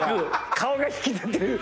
顔が引きつってる。